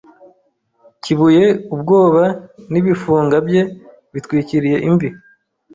Kibuye ubwoba Nibifunga bye bitwikiriye imvi